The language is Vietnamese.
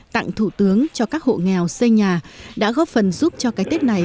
tặng thủ tướng cho các hộ nghèo xây nhà đã góp phần giúp cho cái tết này